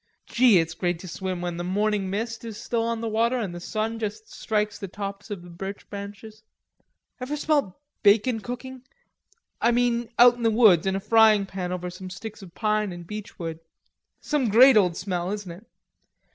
Gee, it's great to swim when the morning mist is still on the water an' the sun just strikes the tops of the birch trees. Ever smelt bacon cooking? I mean out in the woods, in a frying pan over some sticks of pine and beech wood.... Some great old smell, isn't it?...